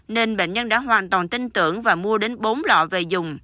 nên bệnh nhân đã hoàn toàn tin tưởng và mua đến bốn lọ về dùng